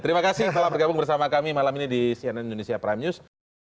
terima kasih telah bergabung bersama kami malam ini di cnn indonesia prime news